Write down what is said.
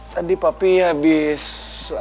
tadi tapi habis